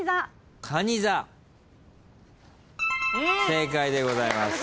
正解でございます。